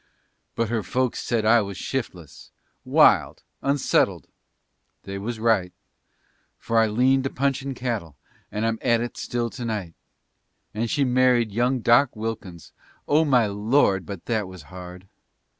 But her folks said I was "shif'less," "Wild," "unsettled," they was right, For I leaned to punchin' cattle And I'm at it still tonight. And she married young Doc Wilkins Oh my Lord! but that was hard!